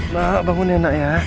mak bangun ya nak ya